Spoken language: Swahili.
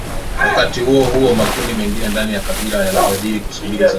Wakati huo huo makundi mengine ndani ya kabila yanabidi kusuburi zamu yao